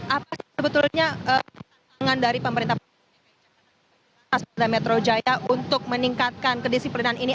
apa sebetulnya pertanyaan dari pemerintah pemerintah metroidaya untuk meningkatkan kedisiplinan ini